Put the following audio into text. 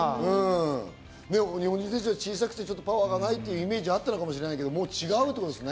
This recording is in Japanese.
日本人選手は小さくてパワーがないイメージがあったかもしれないけど、もう違うってことですね。